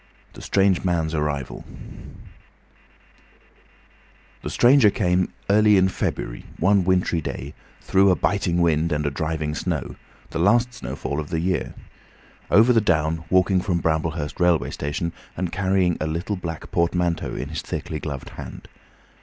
THE STRANGE MAN'S ARRIVAL The stranger came early in February, one wintry day, through a biting wind and a driving snow, the last snowfall of the year, over the down, walking from Bramblehurst railway station, and carrying a little black portmanteau in his thickly gloved hand.